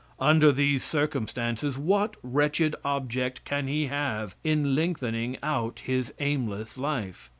Under these circumstances what wretched object can he have in lengthening out his aimless life?